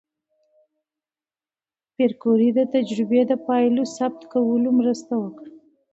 پېیر کوري د تجربې د پایلو ثبت کولو مرسته وکړه.